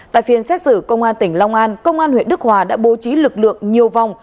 tại phiên xét xử công an tỉnh long an công an huyện đức hòa đã bố trí lực lượng nhiều vòng